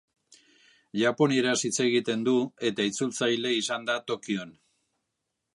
Japonieraz hitz egiten du eta itzultzaile izan da Tokion.